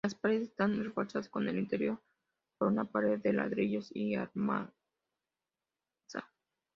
Las paredes están reforzadas en el interior por una pared de ladrillos y argamasa.